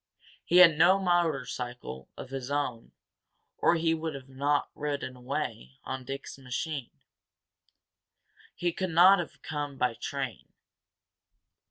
He had no motorcycle of his own or he would not have ridden away on Dick's machine. He could not have come by train.